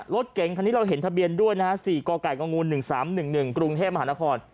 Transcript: รถเก๋งคันนี้เราเห็นทะเบียนด้วยนะฮะ๔กกง๑๓๑๑กรุงเทพมหานคร